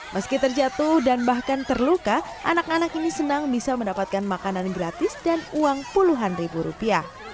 meski terjatuh dan bahkan terluka anak anak ini senang bisa mendapatkan makanan gratis dan uang puluhan ribu rupiah